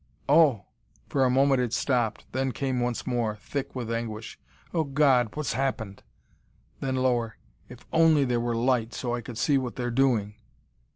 Oh " For a moment it stopped, then came once more, thick with anguish. "Oh, God, what's happened?" Then lower: "If only there were light, so I could see what they're doing...."